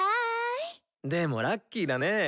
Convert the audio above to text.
でもラッキーだね。